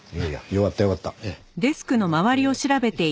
よかったよかった。